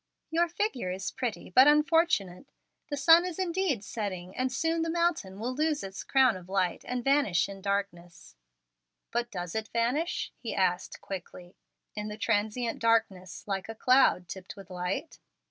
"Your figure is pretty, but unfortunate. The sun is indeed 'setting,' and soon the mountain will lose its crown of light and vanish in darkness." "But does it vanish," he asked quickly, "in the transient darkness, like a cloud tipped with light?